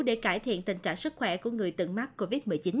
để cải thiện tình trạng sức khỏe của người từng mắc covid một mươi chín